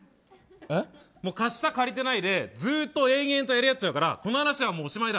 貸した借りてないでずっと永遠とやりやっちゃうからこの話はもうおしまいだ。